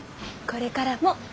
これからも。